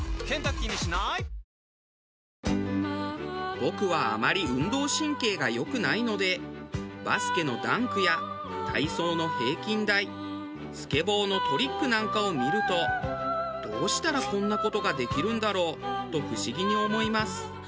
僕はあまり運動神経が良くないのでバスケのダンクや体操の平均台スケボーのトリックなんかを見るとどうしたらこんな事ができるんだろう？と不思議に思います。